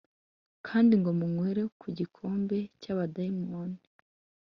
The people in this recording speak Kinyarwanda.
kandi ngo munywere ku gikombe cy'abadaimoni.